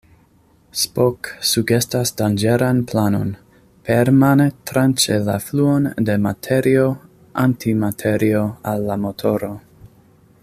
Spock sugestas danĝeran planon: permane tranĉi la fluon de materio-antimaterio al la motoro.